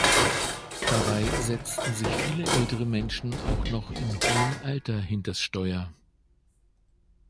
Dabei setzen sich viele ältere Menschen auch noch in hohem Alter hinters Steuer.